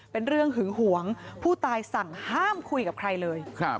เป็นเรื่องหึงหวงผู้ตายสั่งห้ามคุยกับใครเลย